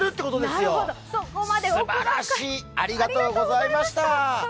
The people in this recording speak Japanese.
すばらしい、ありがとうございました。